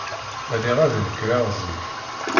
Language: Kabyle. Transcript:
Riɣ ad nekreɣ zik.